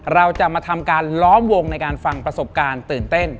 เราจะมาทำการล้อมวงในการฟังประสบการณ์ตื่นเต้น